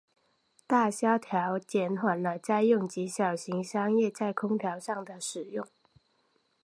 大萧条减缓了家用及小型商业在空调上的使用。